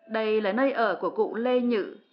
đây là nơi ở của cụ lê nhự